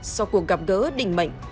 so với cuộc gặp gỡ đỉnh mệnh